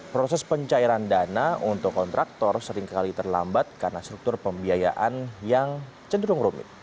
proses pencairan dana untuk kontraktor seringkali terlambat karena struktur pembiayaan yang cenderung rumit